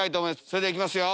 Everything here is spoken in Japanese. それでは行きますよ！